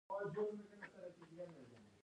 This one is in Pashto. غزني د افغانستان د امنیت په اړه هم اغېز لري.